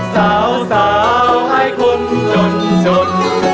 สาวให้คนจนจน